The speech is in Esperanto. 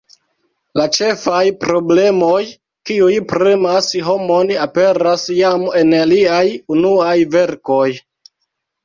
La ĉefaj problemoj kiuj premas homon aperas jam en liaj unuaj verkoj.